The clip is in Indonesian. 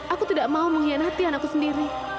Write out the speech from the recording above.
aku tidak mau mengkhianati anakku sendiri